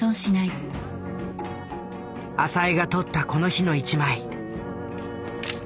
浅井が撮ったこの日の一枚。